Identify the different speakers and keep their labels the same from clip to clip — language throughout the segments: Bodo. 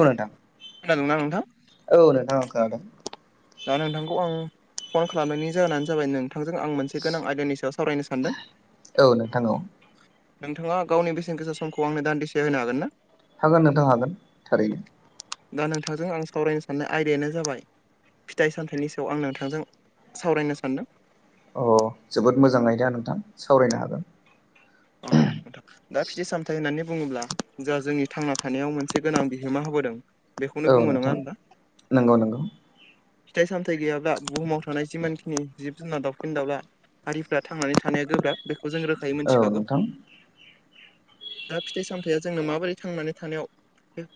Speaker 1: औ नोंथां
Speaker 2: खोनादोंना नोंथां
Speaker 1: औ नोंथां आं खोनादों
Speaker 2: दा नोंथांखौ आं फन खालामनायनि जाहोनानो जाबाय नोंथांजों आं मोनसे गोनां आयदानि सायाव सावरायनो सानदों
Speaker 1: औ नोंथां
Speaker 2: नोंथाङा गावनि बेसेन गोसा समखौ आंनो दान्दिसे होनो हागोन ना
Speaker 1: हागोन नोंथां हागोन थारैनो
Speaker 2: दा नोंथांजों आं सावरायनो साननाय आयदायानो जाबाय फिथाइ सामथाइनि सायाव आं नोंथांजों सावरायनो सानदों
Speaker 1: अ जोबोद मोजाङै दा नोंथां सावरायनो हागोन
Speaker 2: औ नोंथां दा फिथ सामथायाइ होननानै बुङोब्ला जोंहा जोंनि थांना थानायाव मोनसे गोनां बिहोमा होबोदों बेखौनो
Speaker 1: औ
Speaker 2: बुङो नङा
Speaker 1: नोंथां
Speaker 2: होनबा
Speaker 1: नंगौ नंगौ
Speaker 2: फिथाइ सामथाय गैयाब्ला बुहुमाव थानाय जिमानखिनि जिब जुनार दावउखेन दाउला हारिफ्रा थांनानै थानाया गोब्राब बेखौ जों रोखायै
Speaker 1: औ
Speaker 2: मोनथिखागौ
Speaker 1: नोंथां
Speaker 2: दा फिथाइ सामथायाइया जोंनो माबोरै थांनानै थानायाव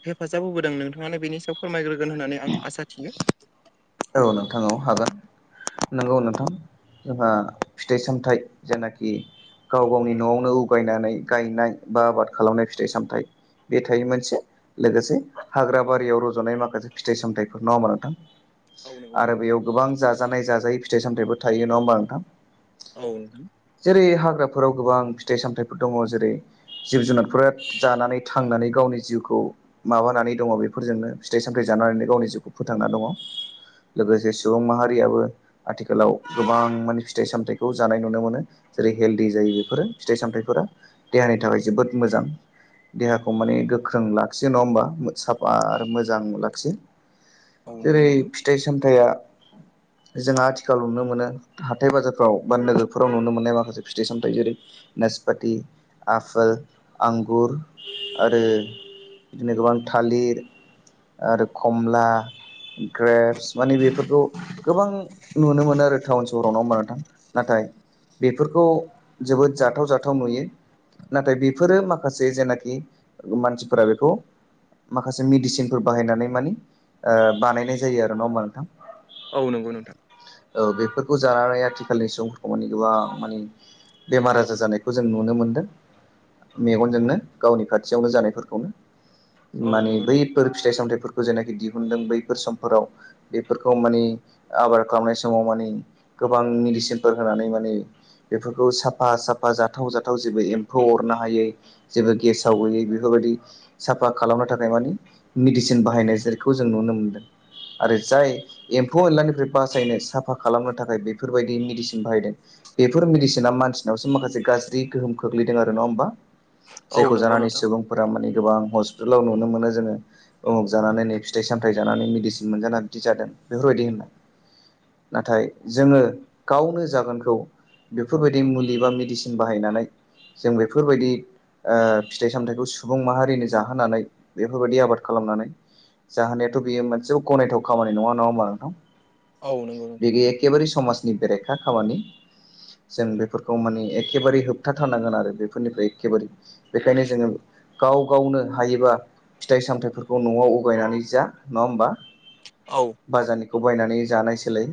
Speaker 2: हेफाजाब होबोदों नोंथाङानो बेनि सायाव फोरमायग्रोगोन होननानै आं आसा थियो
Speaker 1: औ नोंथां औ हागोन नंगौ नोंथां जोंहा फिथाइ सामथाइ जेनाखि गाव गावनि न'आवनो उगायनानै गायनाय बा आबाद खालामनाय फिथाइ सामथाइ बे थायो मोनसे लोगोसे हाग्रा बारियाव रज'नाय माखासे फिथाइ सामथाइफोर नङामा नोंथां
Speaker 2: औ नंगौ
Speaker 1: आरो
Speaker 2: नोंथां।
Speaker 1: बेयाव गोबां जाजानाय जाजाय फिथाइ सामथायाइबो थायो नङा होमबा नोंथां
Speaker 2: औ नोंथां
Speaker 1: जेरै हाग्राफोराव गोबां फिथाइ सामथाइफोर दङ जेरै जिब जुनारफोरा जानानै थांनानै गावनि जिउखौ माबानानै दङ बेफोरजोंनो फिथाइ सामथाय जानानैनो गावनि जिउखौ फोथांना दङ लोगोसे सुबुं माहारियाबो आथिखालाव गोबां माने फिथाइ सामथायाइखौ जानाय नुनो मोनो जेरै हेलदि जायो बेफोरो फिथाइ सामथायाइफोरा देहानि थाखाय जोबोद मोजां देहाखौ माने गोख्रों लाखियो नङा होमबा साफा आरो मोजां लाखियो
Speaker 2: औ नंगौ
Speaker 1: जेरै
Speaker 2: नोंथां
Speaker 1: फिथाइ सामथाइया जोंहा आथिखालाव नुनो मोनो हाथाय बाजारफ्राव बा नोगोरफोराव नुनो मोनो माखासे फिथि सामथाइ जेरै नेसपाथि आफोल आंगुर आरो बिदिनो गोबां थालिर आरो खमला ग्रेप्स माने बेफोरखौ गोबां नुनो मोनो आरो टाउन सहरावनाव हबोनथां नाथाय बेफोरखौ जोबोद जाथाव जाथाव नुयो नाथाय बेफोरो माखासे जेनाखि मानसिफोरा बेखौ माखासे मेडिसिनफोर बाहायनानै मानि ओ बानायनाय जायो आरो नङामबा नोंथां।
Speaker 2: औ नंगौ नोंथां।
Speaker 1: औ बेफोरखौ जानानै आथिखालनि सुबुंफोरखौ मानि गोबां मानि बेमार आजार जानायखौ जों नुनो मोनदों। मेगनजोंनो गावनि खाथियावनो जानायफोरखौनो
Speaker 2: औ
Speaker 1: माने
Speaker 2: नंगौ
Speaker 1: बै फोर फिथाइ सामथाइफोरखौ जेनाखि दिहुनदों बैफोर समफोराव बेफोरखौ मानि आबाद खालामनाय समाव मानि गोबां मेडिसिनफोर होनानै मा नि बेफोरखौ साफा-साफा जाथाव-जाथाव जेबो एम्फौ अरनो हायै जेबो गेसाव गैयै बेफोरबायदि साफा खालामनो थाखाय मानि मिडिसिन बाहायनाय जेरखौ जों नुनो मोनदों। आरो जाय एम्फौ एनलानिफ्राय बासायनो साफा खालामनो थाखाय बेफोरबायदि मेडिसिन बाहायदों। बेफोर मेडिसिना मानसिनावसो माखासे गाज्रि गोहोम खोख्लैदों आरो नङा होमबा।
Speaker 2: औ
Speaker 1: जायखौ
Speaker 2: नंगौ
Speaker 1: जानानै
Speaker 2: नोंथां
Speaker 1: सुबुंफोरा माने गोबां हस्पितालाव नुनो मोनो जोङो। उमुक जानानै नै फिथाइ सामथायाइ जानानै मेडिसिन मोनजाना बिदि जादों बेफोरबायदि होननाय। नाथाय जोङो गावनो जागोन खौ बेफोरबायदि मुलि बा मेडिसिन बाहायनानै जों बेफोरबायदि ओ फिथाइ सामथायाइखौ सुबुं माहारिनो जाहोनानै बेफोरबायदि आबाद खालामनानै जाहोनायाथ' बेयो मोनसे गनायथाव खामानि नङा-नङा होमबा नोंथां।
Speaker 2: औ नंगौ नोंथां
Speaker 1: बिदि एखेबारे समाजनि बेरेखा खामानि। जों बेफोरखौ माने एखेबारे होबथाथारनांगोन आरो बेफोरनिफ्राय एखेबारे बेखायनो जोङो गाव गावनो हायोबा फिथाइ सामथायाइफोरखौ न'आव उगायनानै जा नङा होमबा।
Speaker 2: औ।
Speaker 1: बाजारनिखौ बायनानै जानाय सोलाय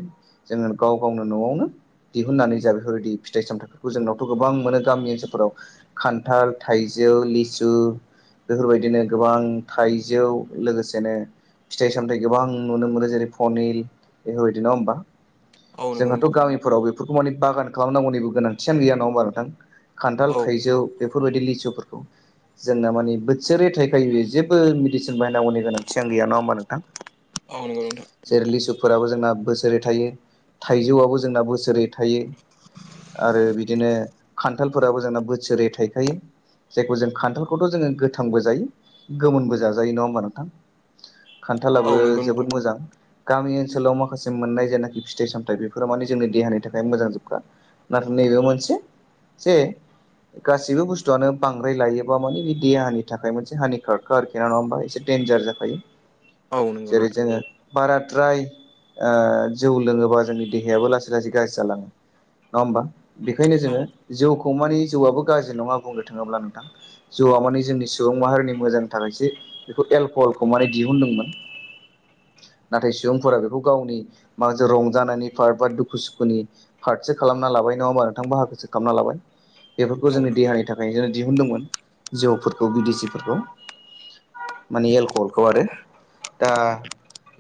Speaker 1: जोङो गाव गावनो न'आवनो दिहुननानै जा बेफोरबायदि फिथाइ सामथायाइफोरखौ जोंनावथ' गोबां मोनो गामि ओनसोलफोराव। खान्थाल थाइजौ लिसु बेफोरबायदिनो गोबां थाइजौ लोगोसेनो फिथाइ सामथायाइ गोबां नुनो मोनो जेरै पनिल बेफोरबायदि नङा होमबा।
Speaker 2: औ नंगौ
Speaker 1: जोंहाथ'
Speaker 2: नोंथां
Speaker 1: गामिफोराव बेफोरखौ माने बागान खालामनांगौनिबो गोनांथियानो गैया नङामबा नोंथां। खान्थाल
Speaker 2: औ
Speaker 1: थाइजौ बेफोरबायदि लिसुफोरखौ। जोंना मानि बोसोरै थाइखायो बेयो जेबो मिडिसिन बाहायनांगौनि गोनांथिआनो गैया नङा होमबा नोंथां।
Speaker 2: औ नंगौ नोंथां
Speaker 1: जेरै लिसुफोराबो जोंना बोसोरै थायो थाइजौआबो जोंना बोसोरै थायो आरो बिदिनो खान्थालफोराबो जोंना बोसोरै थायखायो। जायखौ जों खान्थालखौथ' जोङो गोथांबो जायो गोमोनबो जाजायो नङा होमबा नोंथां। खान्थालाबो
Speaker 2: औ नंगौ नोंथां
Speaker 1: जोबोद मोजां। गामि ओनसोलाव माखासे मोननाय जायनाखि फिथाइ सामथाय बेफोर माने जोंनि देहानि था खाय मोजांजोबखा नाथाय नैबे मोनसे जे गासैबो बुस्थुआनो बांद्राय लायोबा मानि बे देहानि थाखाय मोनसे हानि खारखा आरोखि। बेेन नङा होमा एसे डेन्जार जाखायो।
Speaker 2: [inaudible]
Speaker 1: जेरै
Speaker 2: नोंथां
Speaker 1: जोङो बाराद्राय ओ जौ लोङोबा जोंनि देहायाबो लासै-लासै गाज्रि जालाङो नङा होमबा बेखायनो
Speaker 2: औ
Speaker 1: जोङो जौखौ मानि जौआबो गाज्रि नङा बुंनो थाङोब्ला नोंथां। जौआ माने जोंनि सुबुं माहारिनि मोजांनि थाखायसो बेखौ एलक'हलखौ माने दिहुनदोंमोन।
Speaker 2: [inaudible]
Speaker 1: नाथाय
Speaker 2: औ
Speaker 1: सुबुंफोरा बेखौ गावनि माखासे रंजानायनि पार बा दुखु सु खुनि पार्टसो खालामना लाबाय नङा होमा नोंथां बाहागोसो खालामना लाबाय बेफोरखौ
Speaker 2: औ
Speaker 1: जोंनि
Speaker 2: नंगौ
Speaker 1: देहानि था खायसो दिहुनदोंमोन जौफोरखौ बिदिसिफोरखौ। माने एलक'हलखौ आरो दा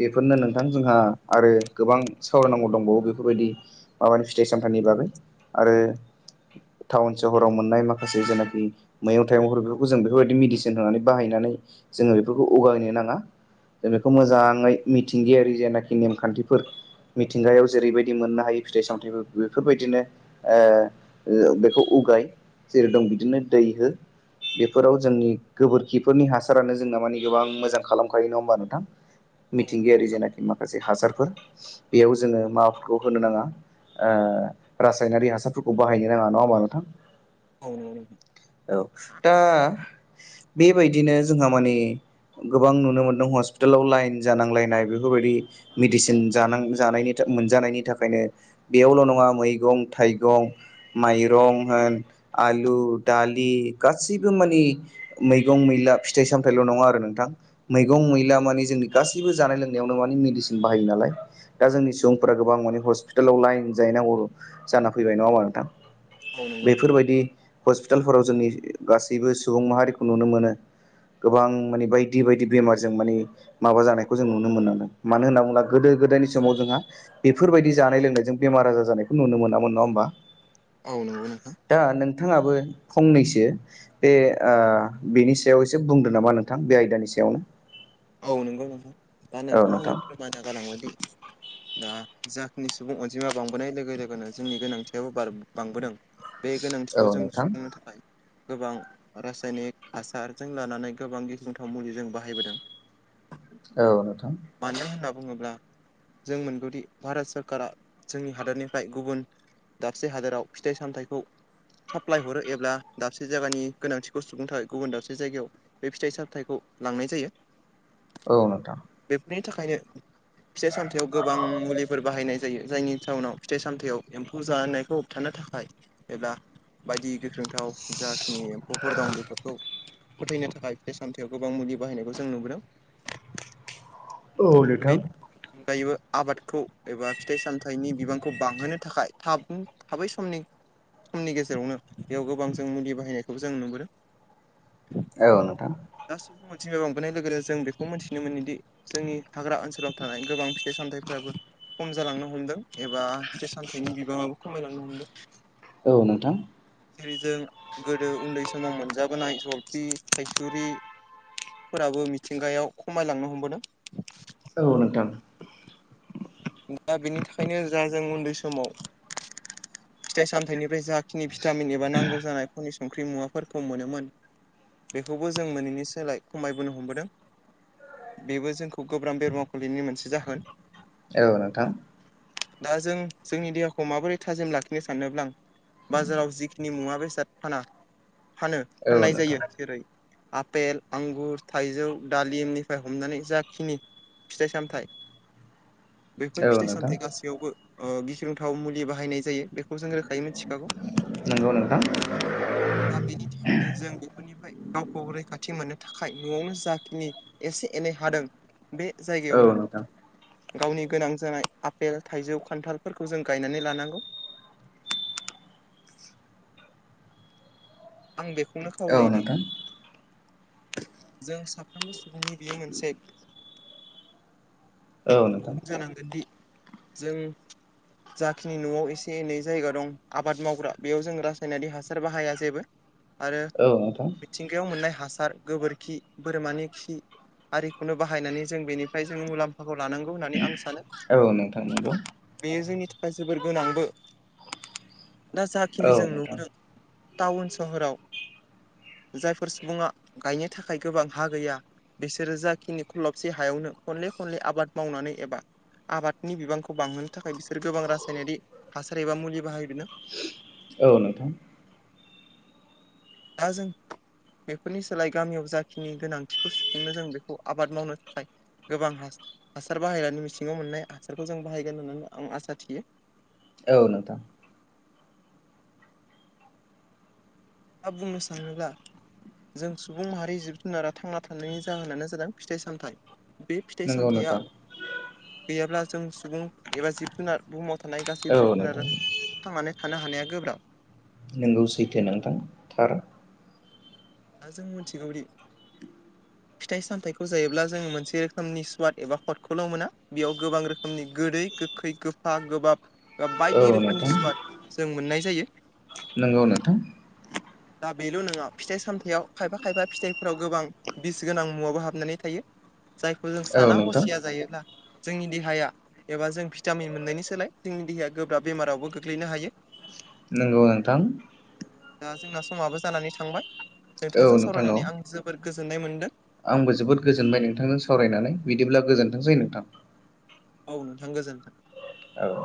Speaker 1: बेफोरनो नोंथां जोंहा आरो गोबां सावरायनांगौ दंबावो बेफोरबायदि माबानि फिथाइ सामथाइनि बागै आरो टाउन सहराव मोननाय माखासे जेनाखि मैगं थाइगंफोर बेफोरखौ जों बेफोरबायदि मेडिसिन होनानै बाहायनानै जोङो बेफोरखौ उगायनो नाङा जों बेखौ मोजाङै मिथिंगायारि जेनाखि नेमखान्थिफोर मिथिंगायाव जेरैबायदि मोननो हायो फिथाइ सामथाइफोर बेफोरबायदिनो बेखौ उगाय जेरै दं बिदिनो दै हो बेफोराव जोंनि गोबोरखिफोरनि हासारानो जोंना माने गोबां मोजां खालामखायो नङा होमबा नोंथां
Speaker 2: औ नंगौ
Speaker 1: मिथिंगायारि जेनाखि माखासे हासारफोर बेयाव जोङो माबाफोरखौ होनो नाङा रासायनारि हासारफोरखौ बाहायनो नाङा नङा होमबा नोंथां
Speaker 2: औ नंगौ
Speaker 1: औ दा बेबायदिनो जोंहा माने गोबां नुनो मोन्दों हस्पितालाव लाइन जानांलायनाय बेफोरबायदि मेडिसिन जानां जानायनि मोनजानायनि थाखायनो बेयावल' नङा मैगं थाइगं माइरं होन आलु दालि गासैबो मानि मैगं मैला फिथाइ सामथायाइल' नङा आरो नोंथां मैगं मैला माने जोंनि गासैबो जानाय लोंनायावनो माने मेडिसिन बाहायो नालाय। दा जोंनि सुबुंफोरा गोबां माने हस्पि टलाव लाइन जाहैनांगौ जाना फैबाय नङामा नोंथां
Speaker 2: नंगौ नोंथां
Speaker 1: बेफोरबायदि हस्पिटालफोराव जोंनि गासैबो सुबुं माहारिखौ नुनो मोनो गोबां माने बायदि बायदि बेमारजों माने माबा जानायखौ जों नुनो मोनदों मानो होनना बुङोला गोदो गोदायनि समाव जोंहा बेफोरबायदि जानाय लोंनायजों बेमार आजार जानायखौ नुनो मोनाम नङ होमबा
Speaker 2: औ नंगौ नोंथां
Speaker 1: दा नोंथाङाबो फंनैसो बे ओ बिनि सायाव एसे बुंदों नामा नोंथां बे आयदानि सायावनो
Speaker 2: औ नंगौ नोंथां दा
Speaker 1: औ
Speaker 2: नोंथाङा आंनो
Speaker 1: नोंथां
Speaker 2: फोरमायना गालांबाय दि दा जाखिनि सुबुं अनजिमा बांबोनाय लोगो लोगोनो जोंनि गोनांथियाबो बार बांबोदों बे
Speaker 1: औ
Speaker 2: गोनांथिखौ जों
Speaker 1: नोंथां
Speaker 2: सुफुंनो थाखाय गोबां रासायनिक हासारजों लानानै गोबां गिख्रंथाव मुलि जों बाहायबोदों
Speaker 1: औ नोंथां
Speaker 2: मानो होनना बुङोब्ला जों मोनगौदि भारत सरकारा जोंनि हादरनिफ्राय गुबुन दाबसे हादोराव फिथाइ सामथाइखौ साप्लाय हरो एब्ला दाबसे जायगानि गोनांथिखौ सुुंनो थाखाय गुबुन दाबसे जायगायाव बे फिथाइ सामथाइखौ लांनाय जायो
Speaker 1: औ नोंथां
Speaker 2: बेफोरनि थाखायनो फिथाइ सामथायाव गोबां मुलिफोर बाहायनाय जायो जायनि जउनाव फिथाइ सामथायाव एम्फौ जानायखौ थानो थाखाय एबा बायदि गोख्रोंथाव जाखिनि एम्फौफोर दं बेफोरखौ फोथायनो थाखाय फिथाइ सामथायाव गोबां मुलि बाहायनायखौ जों नुबोदों।
Speaker 1: औ नोंथां
Speaker 2: बेनि अनगायैबो आबादखौ एबा फिथाइ सामथाइनि बिबांखौ बांहोनो थाखाय थाब थाबै समनि खमनि गेजेरावनो बेयाव गोबां जों मुलि बाहायनायखौ जों नुबोदों
Speaker 1: औ नोंथां
Speaker 2: दा सुबुं मिथिम बांबोनाय लोगो लोगो जों बेखौ मिथिनो मोनोदि जोंनि हाग्रा ओनसोलाव थानाय गोबां फि फिथाइ सामथाइफोराबो खम जालांनो हमदों एबा फिथाइ सामथाइनि बिबाङाबो खमायलांनो हमदों।
Speaker 1: औ नोंथां
Speaker 2: जेरै जों गोदो उन्दै समाव मोनजाबोनाय जलफि थायसुरि फोराबो मिथिंगायाव खमायलांनो हमबोदों
Speaker 1: औ नोंथां
Speaker 2: दा बेनि थाखायनो जा जों उन्दै समाव फिथाइ सामथायाइनिफ्राय जा खनि भिटामिन एबा नांगौ जानाय कनि संख्रि मुवाफोरखौ मोनोमोन बेखौबो जों मोनैनि सोलाय खमायबोनो हमबोदों। बेबो जोंखौ गोब्राब बेरमाव खुलिनायनि मोनसे जाहोन।
Speaker 1: औ नोंथां।
Speaker 2: दा जों जोंनि देहाखौ माबोरै थाजिम लाखिनो सानोब्ला बाजाराव जिखिनि मुवा बेसाद फाना फानो फाननाय जायो जेरै आपेल आंगुर थाइजौ दालिमनिफ्राय हमनानै जाखिनि फिथाइ सामथाइ बेफोर
Speaker 1: औ
Speaker 2: फिथाइ
Speaker 1: नोंथां
Speaker 2: सामथायाइ गासैयावबो ओ गिख्रंथाव मुलि बाहायनाय जायो बे जों रोखायै मिथिखागौ
Speaker 1: नंगौ नोंथां
Speaker 2: दा बेनि थाखायनो जों बेफोरनि निफ्राय गावखौ रैखाथि मोननो थाखाय न'आवनो जाखिनि एसे एनै हादों बे
Speaker 1: औ
Speaker 2: जायगायावनो
Speaker 1: नोंथां
Speaker 2: गावनि गोनां जानाय आफेल थाइजौ खान्थालफोरखौ जों गायनानै लानांगौ। आं बेखौनो
Speaker 1: औ
Speaker 2: खावलायोदि
Speaker 1: नोंथां
Speaker 2: जों साफ्रोमबो सुबुंनि बियो मोनसे
Speaker 1: औ नोंथां
Speaker 2: गुब जानांगोनदि जों जाखिनि न'आव एसे एनै जायगा दं आबाद मावग्रा बेयाव जों रासायनारि हासार बाहाया जेबो आरो
Speaker 1: औ नोंथां।
Speaker 2: मिथिंगायाव मोननाय हासार गोबोरखि बोरमानि खि आरिखौनो बाहायनानै जों बेनिफ्राय जोङो मुलाम्फाखौ लानांगौ होननानै आं सानो
Speaker 1: औ नोंथां नंगौ।
Speaker 2: बेयो जोंनि थाखाय जोबोर गोनांबो दा
Speaker 1: औ
Speaker 2: जाखिनि जों
Speaker 1: नोंथां
Speaker 2: नुबोदों। टाउन सहराव जायफोर सुबुङा गायनो थाखाय गोबां हा गैया। बिसोरो जाखिनि खलबसे हायावनो खनले खनले आबाद मावनानै एबा आबादनि बिबांखौ बांहोनो थाखाय बिसोर गोबां रासायनारि हासार एबा मुलि बाहायनो
Speaker 1: औ नोंथां।
Speaker 2: दा जों बेफोरनि सोलाय गामियाव जाखिनि गोनांथिखौ सुफुंनो जों बेखौ आबाद मावनो थाखाय गोबां हासार बाहायनानै मिथिङाव मोननाय हासारखौ जों बाहायगोन होननानै आं आसा थियो।
Speaker 1: औ नोंथां।
Speaker 2: मा बुंनो सानोब्ला जों सुबुं माहारि जिब जुनारा थांना थानायनि जाहोनानो जादों फिथाइ सामथाइ बे फिथाइ
Speaker 1: नंगौ
Speaker 2: सामथाइया
Speaker 1: नोंथां
Speaker 2: गैयाब्ला जों सुबुं एबा जिब-जुनार बुहुमाव थानाय
Speaker 1: औ
Speaker 2: गासैबो जिब
Speaker 1: नोंथां
Speaker 2: जुनाराथांनानै थानो हानाया गोब्राब।
Speaker 1: नोंगौ सैथो नोंथां थार।
Speaker 2: दा जों मिथिगौदि फिथाइ सामथायाइखौ जायोब्ला जोंङ मोनसे रोखोमनि स्वाद एबा खदखौल' मोना बेयाव गोबां रोखोमनि गोदै गो खै गोफा गोबाब बा
Speaker 1: औ
Speaker 2: बायदि रोखोमनि
Speaker 1: नोंथां
Speaker 2: सुवाद जों मोननाय जायो।
Speaker 1: नोंगौ नोंथां।
Speaker 2: दा बेल' नङा फिथाइ सामथायाइयाव खायफा खायफा फिथाइफोराव गोबां बिस गोनां मुवाबो हाबनानै थायो जायखौ जों
Speaker 1: औ
Speaker 2: साना
Speaker 1: नोंथां
Speaker 2: हसिया जायोब्ला जोंनि देहाया एबा जों भिटामिन मोननायनि सोलाय जोंनि देहाया गोब्राब बेमारावबो गोग्लैनो हायो।
Speaker 1: नंगौ नोंथां।
Speaker 2: दा जोंना समाबो जानानै थांबाय
Speaker 1: औ
Speaker 2: नोंथांजों
Speaker 1: नोंथां औ
Speaker 2: सावरायनानै आं जोबद गोजोननाय मोनदों।
Speaker 1: आंबो जोबोद गोजोनबाय नोंथांजों सावरायनानै बिदिब्ला गोजोनथों सै नोंथां।
Speaker 2: औ नोंथां गोजोनथों।
Speaker 1: औ